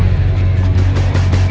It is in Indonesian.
aku mau pergi ke rumah